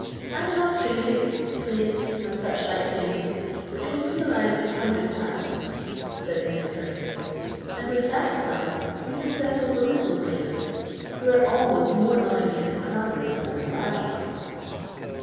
"I have trinkets, plate, and such like things which will realise a hundred pounds," said Mrs. Curtis; "and with that sum we can settle the little claimants, who are always more noisy and clamourous than the large ones."